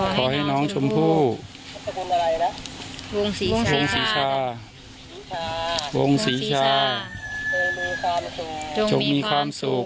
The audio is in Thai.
ขอให้น้องชมพู่บวงศรีชาจงมีความสุข